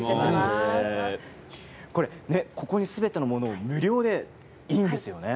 ここにすべてのものを無料でいいんですよね。